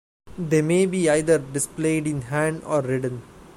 They may be either displayed in hand or ridden.